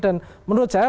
dan menurut saya